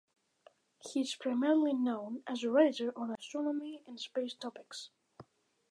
He is primarily known as a writer on astronomy and space topics.